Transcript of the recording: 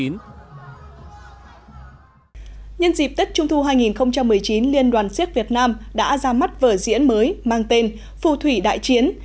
nhân dịp tết trung thu hai nghìn một mươi chín liên đoàn siếc việt nam đã ra mắt vở diễn mới mang tên phù thủy đại chiến